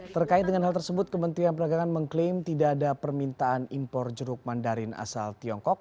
terkait dengan hal tersebut kementerian perdagangan mengklaim tidak ada permintaan impor jeruk mandarin asal tiongkok